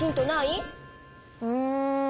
うん。